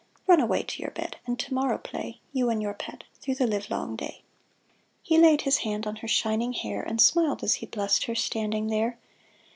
Run away to your bed, and to morrow play, You and your pet, through the livelong day." He laid his hand on her shining hair. And smiled as he blessed her, standing there.